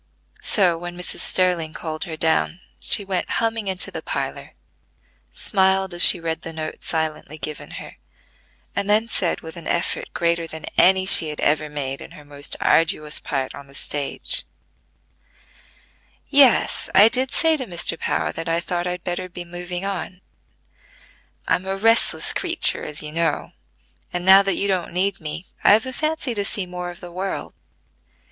So, when Mrs. Sterling called her down, she went humming into the parlor, smiled as she read the note silently given her, and then said with an effort greater than any she had ever made in her most arduous part on the stage: "Yes, I did say to Mr. Power that I thought I'd better be moving on. I'm a restless creature as you know; and, now that you don't need me, I've a fancy to see more of the world.